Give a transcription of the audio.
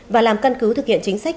và làm căn cứ thực hiện chính sách